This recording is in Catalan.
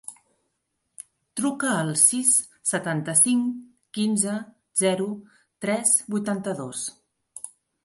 Truca al sis, setanta-cinc, quinze, zero, tres, vuitanta-dos.